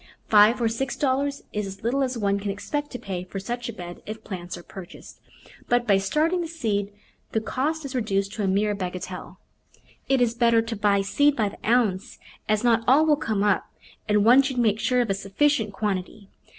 Five or six dollars is as little as one can expect to pay for such a bed if plants are purchased, but by starting the seed the cost is reduced to a mere bagatelle. It is better to buy seed by the ounce, as not all will come up, and one should make sure of a sufficient quantity.